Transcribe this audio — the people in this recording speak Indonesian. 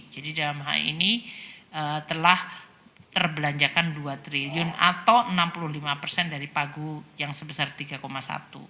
jadi dalam hal ini telah terbelanjakan rp dua triliun atau enam puluh lima dari pagu yang sebesar rp tiga satu triliun